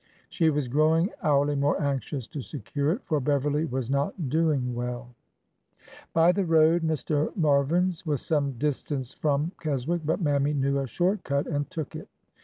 She was growing hourly more anxious to secure it, for Beverly was not doing well. By the road, Mr. Marvin's was some distance from Keswick, but Mammy knew a short cut and took it.